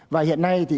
và hiện nay thì